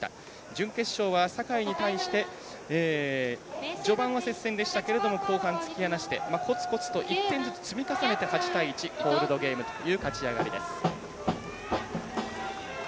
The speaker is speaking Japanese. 準決勝は境に対して序盤は接戦でしたけれども後半、突き放して、コツコツと１点ずつ積み重ねて８対１でコールドゲームという勝ち上がりです。